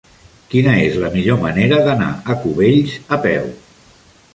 Quina és la millor manera d'anar a Cubells a peu?